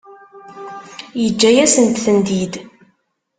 Yeǧǧa-yasent-tent-id?